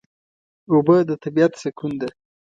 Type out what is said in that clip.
اوبه د طبیعت سکون ده.